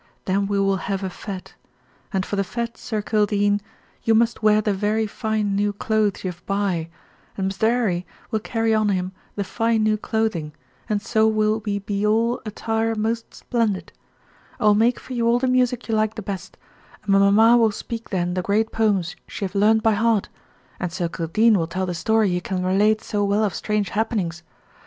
Then we will have a fête. And for the fête, Sir Kildene, you must wear the very fine new clothes you have buy, and Mr. 'Arry will carry on him the fine new clothing, and so will we be all attire most splendid. I will make for you all the music you like the best, and mamma will speak then the great poems she have learned by head, and Sir Kildene will tell the story he can relate so well of strange happenings.